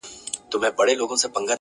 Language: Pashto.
او که نه وي نو حتما به کیمیاګر یې٫